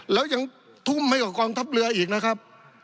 แล้วยังทุ่มไม่กว่ากองทัพเรืออีกนะครับ